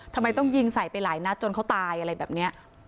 ทำไมต้องยิงใส่ไปหลายนัดจนเขาตายอะไรแบบนี้